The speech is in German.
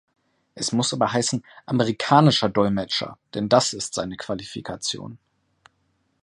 Es muss aber heißen "amerikanischer Dolmetscher", denn das ist seine Qualifikation.